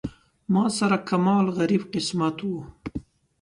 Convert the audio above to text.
ما سره کمال غریب قسمت و.